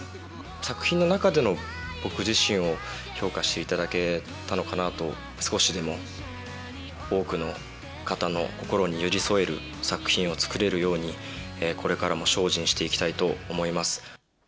作品の中での僕自身を評価していただけたのかなと、少しでも多くの方の心に寄り添える作品を作れるように、これからも精進していきたいと思います。